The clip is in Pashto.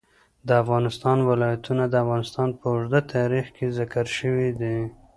د افغانستان ولايتونه د افغانستان په اوږده تاریخ کې ذکر شوی دی.